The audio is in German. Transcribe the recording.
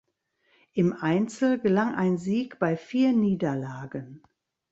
Im Einzel gelang ein Sieg bei vier Niederlagen.